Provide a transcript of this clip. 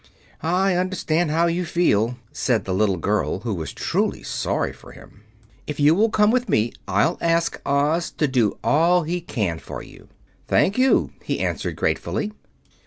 "I understand how you feel," said the little girl, who was truly sorry for him. "If you will come with me I'll ask Oz to do all he can for you." "Thank you," he answered gratefully.